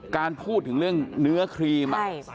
การพูดถึงเรื่องเนื้อครีม